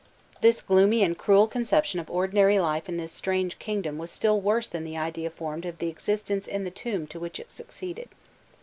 This gloomy and cruel conception of ordinary life in this strange kingdom was still worse than the idea formed of the existence in the tomb to which it succeeded.